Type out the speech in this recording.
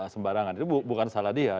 sembarangan itu bukan salah dia